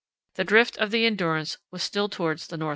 The drift of the Endurance was still towards the north west.